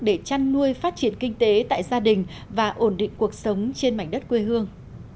để chăn nuôi phát triển kinh tế tại gia đình và ổn định cuộc sống trên mảnh đất quê hương